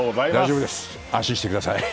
安心してください。